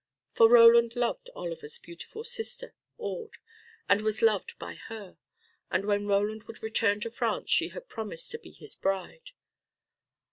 For Roland loved Oliver's beautiful sister Aude and was loved by her, and when Roland would return to France she had promised to be his bride.